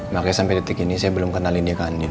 makanya sampai detik ini saya belum kenalin dia kan